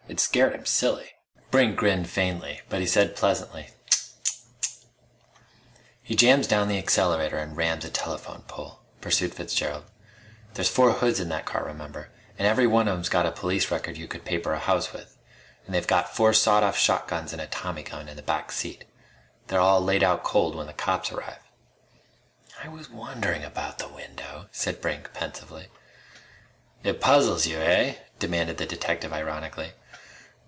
It scared him silly." Brink grinned faintly, but he said pleasantly: "Tsk. Tsk. Tsk." "He jams down the accelerator and rams a telephone pole," pursued Fitzgerald. "There's four hoods in that car, remember, and every one of 'em's got a police record you could paper a house with. And they've got four sawed off shotguns and a tommy gun in the back seat. They're all laid out cold when the cops arrive." "I was wondering about the window," said Brink, pensively. "It puzzles you, eh?" demanded the detective ironically.